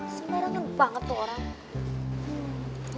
sembarangan banget tuh orang